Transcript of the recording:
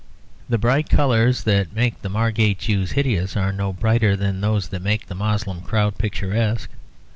The bright colours that make the Margate Jews hideous are no brighter than those that make the Moslem crowd picturesque.